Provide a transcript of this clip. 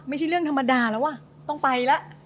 ไม่ใช่เรื่องธรรมดาหรอกว่าต้องไปละ